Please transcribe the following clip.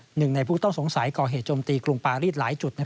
หนึ่งในผู้ต้องสงสัยก่อเหตุจมตีกรุงปารีสหลายจุด